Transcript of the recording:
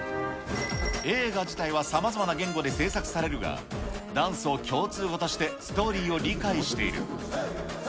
映画自体はさまざまな言語で製作されるが、ダンスを共通語としてストーリーを理解している。